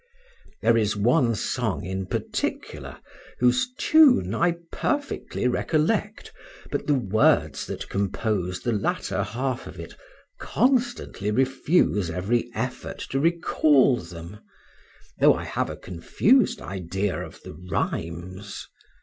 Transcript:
There is one song in particular, whose tune I perfectly recollect, but the words that compose the latter half of it constantly refuse every effort to recall them, though I have a confused idea of the rhymes.